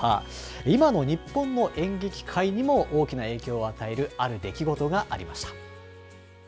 今の日本の演劇界にも大きな影響を与えるある出来事がありました。